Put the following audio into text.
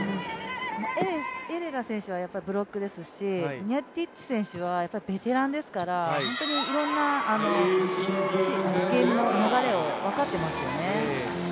エレラ選手はブロックですし、ニヤティッチ選手はベテランですから、本当にいろんなゲームの流れを分かってますよね。